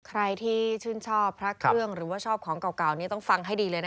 ใครที่ชื่นชอบพระเครื่องหรือว่าชอบของเก่านี้ต้องฟังให้ดีเลยนะคะ